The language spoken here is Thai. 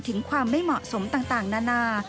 ถึงความไม่เหมาะสมต่างนานา